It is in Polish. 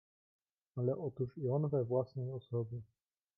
"Ale otóż i on we własnej osobie!"